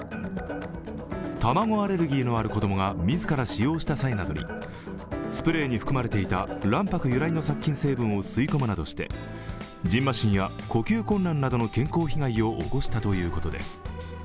卵アレルギーのある子供が自ら使用した際などに、スプレーに含まれていた卵白由来の殺菌成分を吸い込むなどして、じんましんや呼吸困難などの健康被害を起こしたということです。